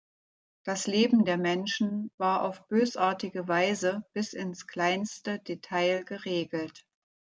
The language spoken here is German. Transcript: Das Leben der Menschen war auf bösartige Weise bis ins kleinste Detail geregelt.